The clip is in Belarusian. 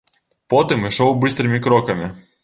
Потым ішоў быстрымі крокамі.